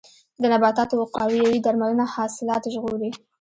د نباتاتو وقایوي درملنه حاصلات ژغوري.